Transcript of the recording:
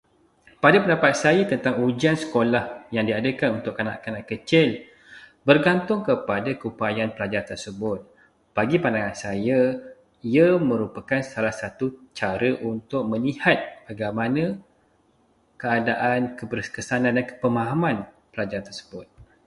Pada pendapat saya tentang ujian sekolah yang diadakan untuk kanak-kanak kecil bergantung kepada keupayaan pelajar tersebut. Bagi pandangan saya, ia merupakan salah satu cara untuk melihat bagaimana keadaan, keberkesanan dan pemahaman pelajar tersebut.